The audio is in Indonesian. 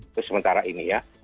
itu sementara ini ya